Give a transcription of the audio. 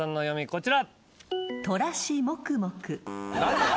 こちら。